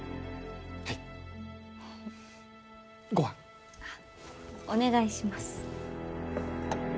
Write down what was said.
はいご飯あっお願いします